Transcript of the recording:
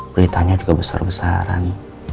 beritanya juga besar besaran